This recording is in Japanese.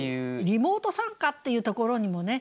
「リモート参加」っていうところにもね